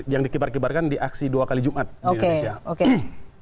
yang dikibarkan di aksi dua kali jumat di indonesia